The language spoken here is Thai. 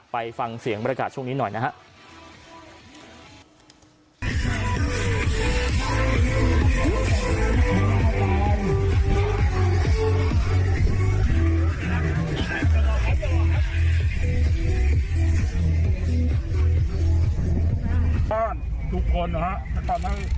ไปฟังเสียงบรรยากาศช่วงนี้หน่อยนะครับ